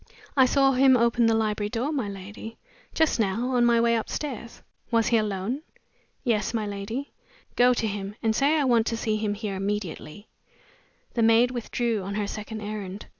"I saw him open the library door, my lady, just now, on my way upstairs." "Was he alone?" "Yes, my lady." "Go to him, and say I want to see him here immediately." The maid withdrew on her second errand.